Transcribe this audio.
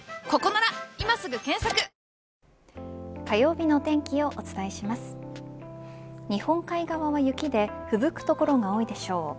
火曜日のお天気をお伝えします日本海側は雪でふぶく所が多いでしょう。